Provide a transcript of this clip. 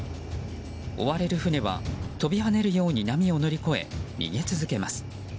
追われる船は飛び跳ねるように波を乗り越え、逃げ続けます。